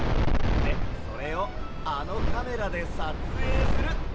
でそれをあのカメラでさつえいする！